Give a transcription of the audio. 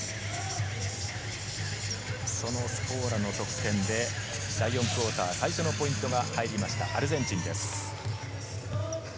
そのスコーラの得点で第４クオーター、最初のポイントが入りました、アルゼンチンです。